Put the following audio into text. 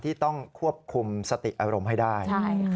ที่ต้องควบคุมสติอารมณ์ให้ได้